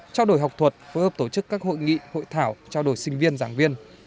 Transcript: trao đổi học thuật phối hợp tổ chức các hội nghị hội thảo trao đổi sinh viên giảng viên